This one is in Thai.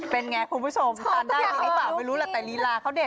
เป็นไงคุณผู้ชมตานด้านนี้ไอ้ป๋าไม่รู้แหละแต่ลีลาเขาเด็ด